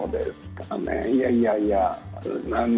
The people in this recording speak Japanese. いやいやいや。